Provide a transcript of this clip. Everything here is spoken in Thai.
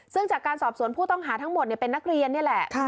ซึ่งจากการสอบสวนผู้ต้องหาทั้งหมดเป็นนักเรียนนี่แหละ